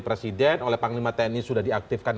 presiden oleh panglima tni sudah diaktifkan